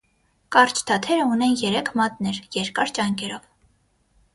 Կարճ թաթերը ունեն երեք մատներ՝ երկար ճանկերով։